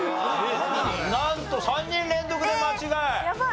なんと３人連続で間違い。